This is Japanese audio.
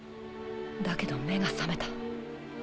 だけど目が覚めた。